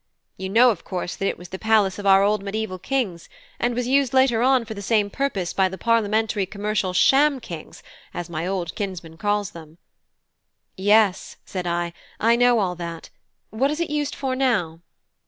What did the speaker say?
You know, of course, that it was the palace of our old mediaeval kings, and was used later on for the same purpose by the parliamentary commercial sham kings, as my old kinsman calls them." "Yes," said I, "I know all that. What is it used for now?"